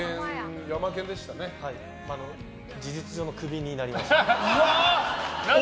はい事実上のクビになりました。